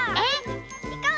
いこう！